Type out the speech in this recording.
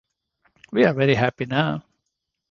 We are very happy now.